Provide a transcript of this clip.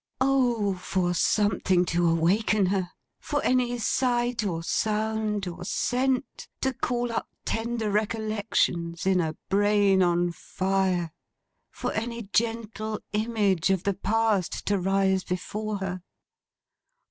O, for something to awaken her! For any sight, or sound, or scent, to call up tender recollections in a brain on fire! For any gentle image of the Past, to rise before her!